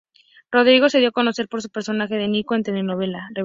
Rodrigo se dio a conocer por su personaje de "Nico" en la telenovela "Rebelde".